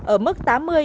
ở mức tám mươi độc